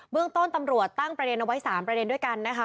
เรื่องต้นตำรวจตั้งประเด็นเอาไว้๓ประเด็นด้วยกันนะคะ